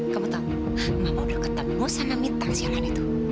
kamu tahu mama udah ketemu sama minta siapaan itu